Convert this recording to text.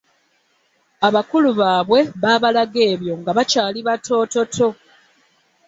Abakulu baabwe babalaga ebyo nga bakyali batoototo.